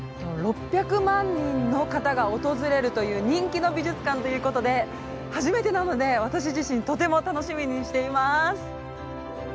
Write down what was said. ６００万人の方が訪れるという人気の美術館ということで初めてなので私自身とても楽しみにしています。